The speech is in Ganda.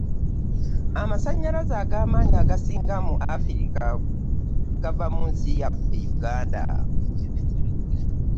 Amasanyalaze ag'amaanyi agasinga mu Africa gava mu nsi yaffe Uganda.